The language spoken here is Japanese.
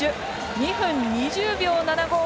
２分２０秒７５。